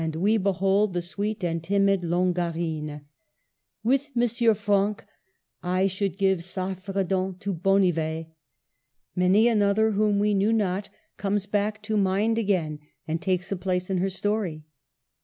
we behold the sweet and timid Longarine. With M. Franck, I should give Saffredant to Bonnivet. Many another, whom we knew not, comes back to mind again, and takes a place in her story.